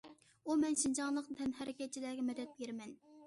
ئۇ: مەن شىنجاڭلىق تەنھەرىكەتچىلەرگە مەدەت بېرىمەن!